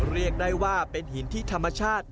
เรียกได้ว่าเป็นหินที่ธรรมชาติ